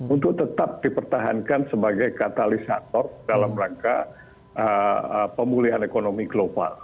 untuk tetap dipertahankan sebagai katalisator dalam rangka pemulihan ekonomi global